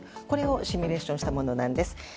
これをシミュレーションしたものです。